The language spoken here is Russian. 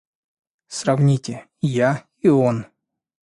Сравните: я и – он!